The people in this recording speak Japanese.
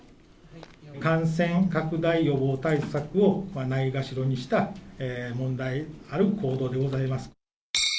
感染拡大予防対策をないがしろにした、問題がある行動でございます。